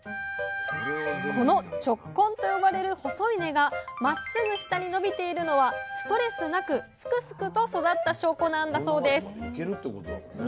この直根と呼ばれる細い根がまっすぐ下に伸びているのはストレスなくスクスクと育った証拠なんだそうです。